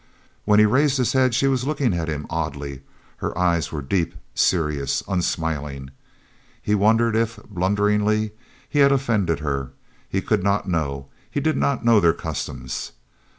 When he raised his head she was looking at him oddly; her eyes were deep, serious and unsmiling. He wondered if, blunderingly, he had offended her. He could not know; he did not know their customs.